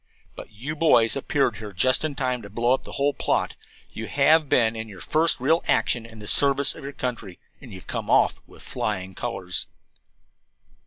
"But you boys appeared here just in time to blow up the whole plot. You have been in your first real action in the service of your country, and you have come off with flying colors."